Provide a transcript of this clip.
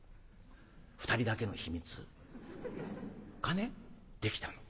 ２人だけの秘密がねできたの。